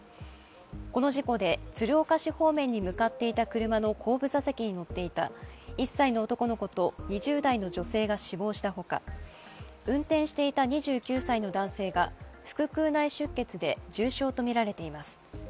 この事故で鶴岡市方面に向かっていた車の後部座席に乗っていた１歳の男の子と２０代の女性が死亡したほか運転していた２９歳の男性が腹腔内出血で重傷とみられています。